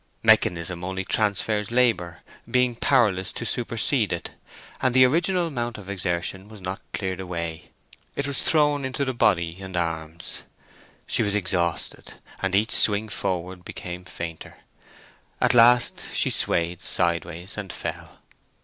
Mechanism only transfers labour, being powerless to supersede it, and the original amount of exertion was not cleared away; it was thrown into the body and arms. She was exhausted, and each swing forward became fainter. At last she swayed sideways, and fell.